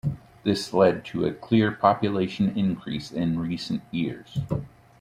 This led to a clear population increase in recent years.